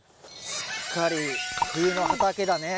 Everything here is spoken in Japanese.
すっかり冬の畑だねぇ。